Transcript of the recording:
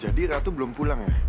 jadi ratu belum pulang ya